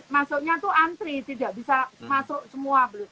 masuknya itu antri tidak bisa masuk semua